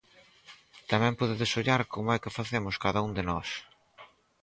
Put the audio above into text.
Tamén podedes ollar como é que facemos cada un de nós